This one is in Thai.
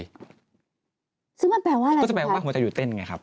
ซึ่งมันแปลว่าอะไรครับพระอาจารย์ค่ะมันก็จะแปลว่าหัวใจหยุดเต้นไงครับ